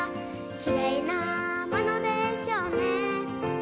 「きれいなものでしょうね」